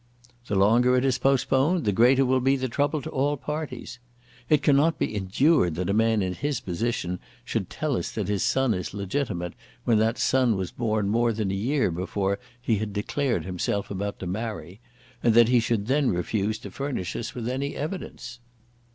"The longer it is postponed the greater will be the trouble to all parties. It cannot be endured that a man in his position should tell us that his son is legitimate when that son was born more than a year before he had declared himself about to marry, and that he should then refuse to furnish us with any evidence."